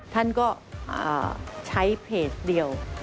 ท่านก็ใช้เพจเดียว